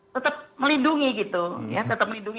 tetap melindungi gitu ya tetap melindungi